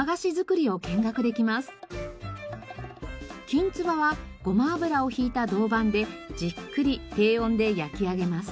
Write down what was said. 金鍔はごま油を引いた銅板でじっくり低温で焼き上げます。